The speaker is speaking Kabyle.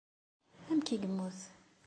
Amek i yemmut?